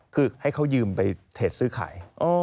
คือให้เขายืมไปเทจซื้อขาย